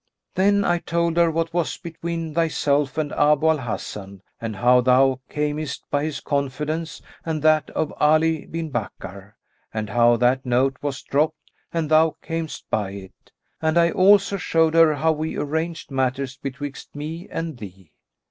Then I told her what was between thyself and Abu al Hasan and how thou camest by his confidence and that of Ali bin Bakkar and how that note was dropped and thou camest by it; and I also showed her how we arranged matters betwixt me and thee."